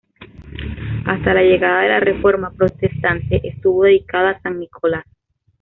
Hasta la llegada de la reforma protestante, estuvo dedicada a San Nicolás.